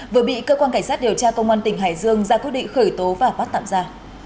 vừa bị cơ quan cảnh sát điều tra công an tỉnh hải dương ra quyết định khởi tố và bắt tạm ra